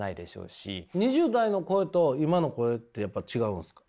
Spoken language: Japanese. ２０代の声と今の声ってやっぱ違うんですか？